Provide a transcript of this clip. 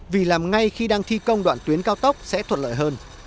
vì làm ngay khi đang thi công đoạn tuyến cao tốc sẽ thuận lợi hơn